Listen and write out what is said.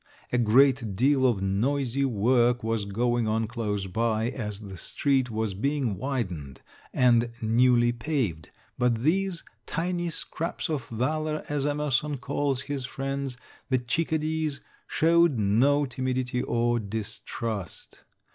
A great deal of noisy work was going on close by, as the street was being widened and newly paved, but these "tiny scraps of valor," as Emerson calls his friends, the chickadees, showed no timidity or distrust.